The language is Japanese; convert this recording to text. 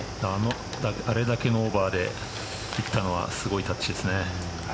あれだけのオーバーで打ったのはすごいタッチですね。